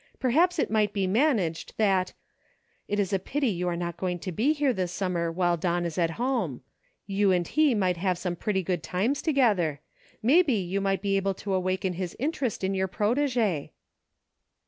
SAGE CONCLUSIONS. 16/ perhaps it might be managed that — it is a pity you are not going to be here this summer while Don is at home ; you and he might have some pretty good times together ; maybe you might be able to awaken his interest in your protegd."